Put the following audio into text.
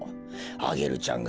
アゲルちゃんが！